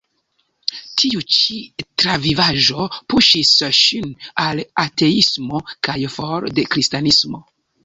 Tiu ĉi travivaĵo puŝis ŝin al ateismo kaj for de Kristanismo.